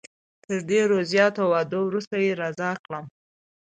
تر ډېرو زیاتو وعدو وروسته یې رضا کړم.